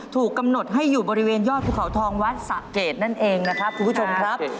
ถูกกำหนดให้อยู่บริเวณยอดภูเขาทองวัดสะเกดนั่นเองนะครับคุณผู้ชมครับ